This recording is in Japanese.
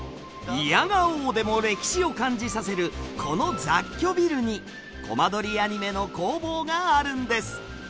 いやがおうでも歴史を感じさせるこの雑居ビルにコマ撮りアニメの工房があるんです。